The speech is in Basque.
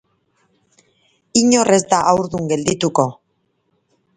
Inor ez da haurdun geldituko.